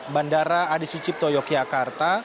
bandara adi sucipto yogyakarta